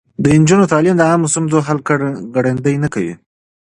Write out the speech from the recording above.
د نجونو تعليم د عامه ستونزو حل ګړندی کوي.